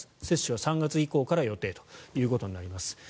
接種は３月以降から予定となります。